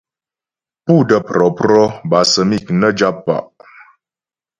Pú də́ prɔ̌prɔ bâ səmi' nə́ jap pa'.